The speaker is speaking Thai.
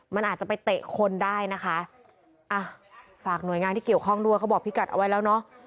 มันอาจจะไปเตะคนได้นะคะอ่ะฝากหน่วยงานที่เกี่ยวข้องด้วยเขาบอกพี่กัดเอาไว้แล้วเนอะ